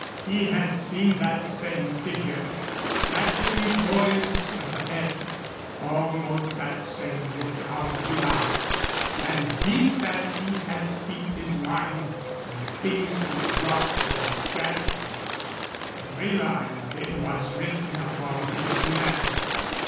He had seen that same figure, that same poise of the head, almost that same look out of the eyes, and, deep as he had steeped his mind in the things which brought forgetfulness, every line of it was written upon his memory.